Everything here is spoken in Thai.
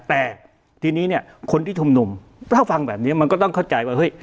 แต่ทีนี้เนี่ยคนที่ชุมนุมถ้าฟังแบบนี้มันก็ต้องเข้าใจว่าเฮ้ย